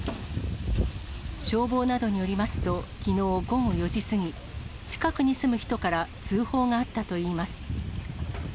消防などによりますと、きのう午後４時過ぎ、近くに住む人から通報があったといいます。